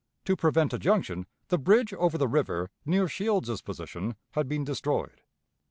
To prevent a junction, the bridge over the river, near Shields's position, had been destroyed.